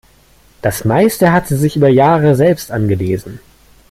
Das meiste hat sie sich über Jahre selbst angelesen.